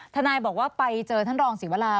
ธนายรณรงค์บอกว่าไปเจอท่านรองศรีวรา